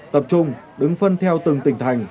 tập trung đứng phân theo từng tỉnh thành